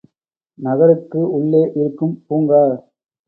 நகருக்கு உள்ளே இருக்கும் பூங்கா.